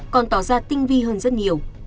còn tỏ ra tinh vi hơn rất nhiều